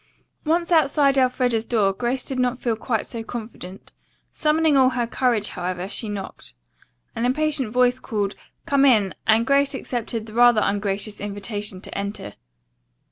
Once outside Elfreda's door, Grace did not feel quite so confident. Summoning all her courage, however, she knocked. An impatient voice called, "Come in," and Grace accepted the rather ungracious invitation to enter.